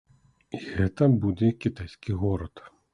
І гэта будзе кітайскі горад.